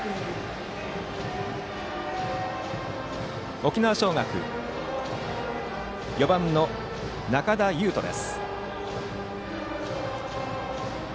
沖縄尚学、４番の仲田侑仁です。